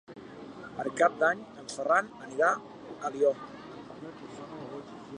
Per Cap d'Any en Ferran anirà a Alió.